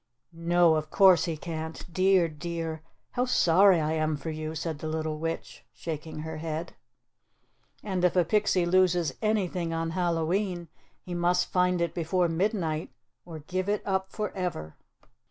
"No, of course he can't. Dear, dear! How sorry I am for you," said the little witch, shaking her head. "And if a pixie loses anything on Hallowe'en, he must find it before midnight or give it up forever."